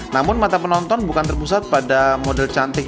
namun mata penonton bukan terpusat pada model cantik